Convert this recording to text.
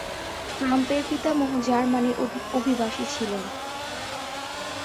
ট্রাম্পের পিতামহ জার্মানির অভিবাসী ছিলেন।